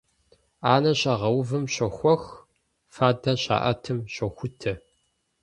Ӏэнэ щагъэувым щохуэх, фадэ щаӀэтым щохутэ.